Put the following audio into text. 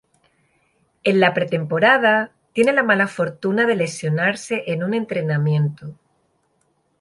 En la pretemporada, tiene la mala fortuna de lesionarse en un entrenamiento.